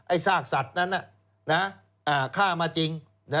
ไอ้ซากสัตว์นั้นน่ะฆ่ามาจริง